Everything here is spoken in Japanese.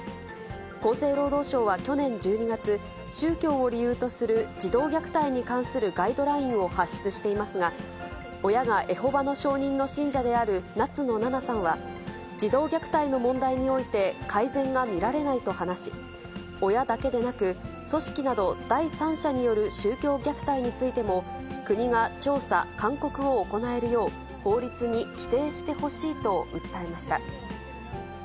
厚生労働省は去年１２月、宗教を理由とする児童虐待に関するガイドラインを発出していますが、親がエホバの証人の信者である夏野ななさんは、児童虐待の問題において改善が見られないと話し、親だけでなく、組織など第三者による宗教虐待についても、国が調査・勧告を行えるよう、法律に規定してほしいと訴えました。